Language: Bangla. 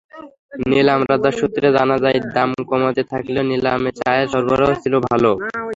নিলাম বাজার সূত্রে জানা যায়, দাম কমতে থাকলেও নিলামে চায়ের সরবরাহ ছিল ভালো।